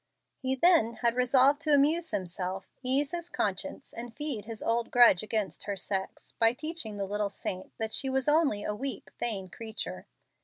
He then had resolved to amuse himself, ease his conscience, and feed his old grudge against her sex, by teaching the little saint that she was only a weak, vain creature.